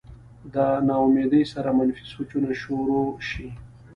د نا امېدۍ سره منفي سوچونه شورو شي